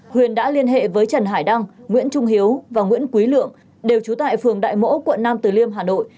huyền đã liên hệ với trần hải đăng nguyễn trung hiếu và nguyễn quý lượng đều trú tại phường đại mỗ quận nam từ liêm hà nội